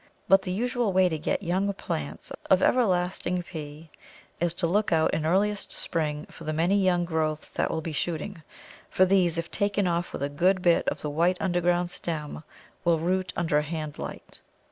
But the usual way to get young plants of Everlasting Pea is to look out in earliest spring for the many young growths that will be shooting, for these if taken off with a good bit of the white underground stem will root under a hand light.